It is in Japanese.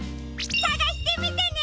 さがしてみてね！